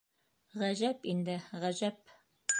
Ғәжәп инде, ғәжәп...